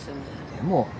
でも。